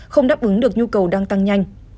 không đáp ứng được nhu cầu đăng tăng nhanh